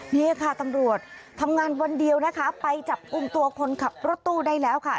นี่ค่ะตำรวจทำงานวันเดียวนะคะไปจับกลุ่มตัวคนขับรถตู้ได้แล้วค่ะ